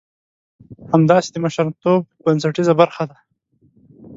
همداسې د مشرتوب بنسټيزه برخه ده.